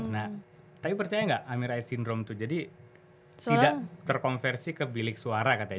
nah tapi percaya gak amin raih sindrom itu jadi tidak terkonversi ke bilik suara katanya